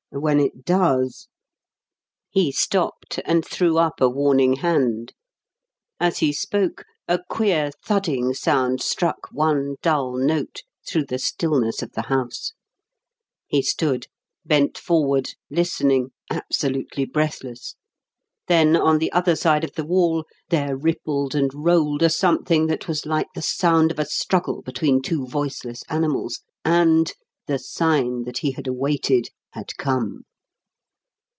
When it does " He stopped and threw up a warning hand. As he spoke a queer thudding sound struck one dull note through the stillness of the house. He stood, bent forward, listening, absolutely breathless; then, on the other side of the wall, there rippled and rolled a something that was like the sound of a struggle between two voiceless animals, and the sign that he awaited had come!